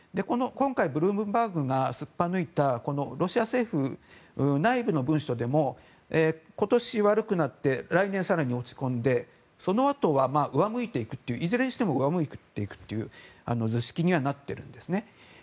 今回、ブルームバーグがすっぱ抜いたロシア政府内部の文書でも今年悪くなって来年更に落ち込んでそのあとは上向いていくといういずれにしても上向いていくという図式にはなってるんです。